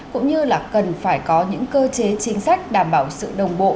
cũng như là cần phải có những cơ chế chính sách đảm bảo sự đồng bộ